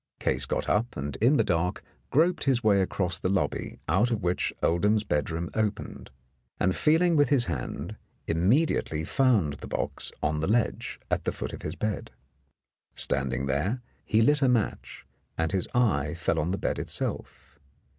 Case got up and in the dark groped his way across the lobby out of which Oldham's bedroom opened, and feeling with his hand, immediately found the box on the ledge at the foot of his bed. Standing there, he lit a match, and his eye fell on the bed itself.